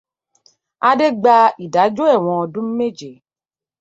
Adé gba ìdájọ́ ẹ̀wọ̀n ọdún méje.